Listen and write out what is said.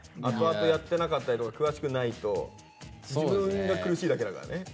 あとあとやってなかったりとか詳しくないと自分が苦しいだけだからね。